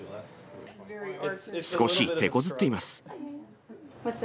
少してこずっています。